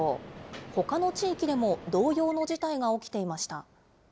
ほかの地域でも同様の事態が起きていました。